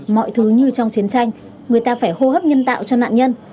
mọi thứ như trong chiến tranh người ta phải hô hấp nhân tạo cho nạn nhân